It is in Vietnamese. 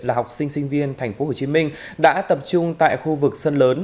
là học sinh sinh viên thành phố hồ chí minh đã tập trung tại khu vực sân lớn